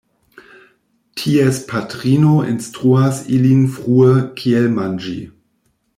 Ties patrino instruas ilin frue kiel manĝi.